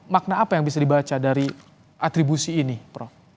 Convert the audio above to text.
makna apa yang bisa dibaca dari atribusi ini prof